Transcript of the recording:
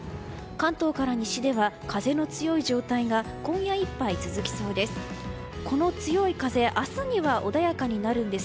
関東から西では風の強い状態が今夜いっぱい続きそうです。